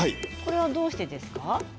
どうしてですか？